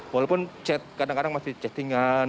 walaupun chat kadang kadang masih chattingan